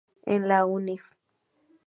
En la Univ.